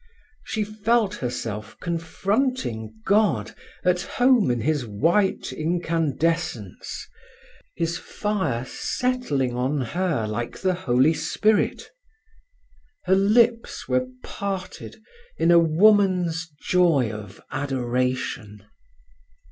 She felt herself confronting God at home in His white incandescence, His fire settling on her like the Holy Spirit. Her lips were parted in a woman's joy of adoration.